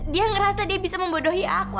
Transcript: dia ngerasa dia bisa membodohi aku